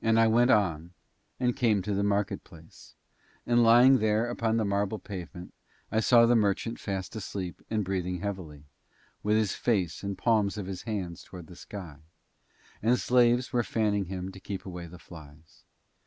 And I went on and came to the market place, and lying there upon the marble pavement I saw the merchant fast asleep and breathing heavily, with his face and the palms of his hands towards the sky, and slaves were fanning him to keep away the flies.